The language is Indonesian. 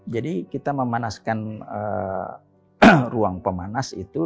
jadi kita memanaskan ruang pemanas itu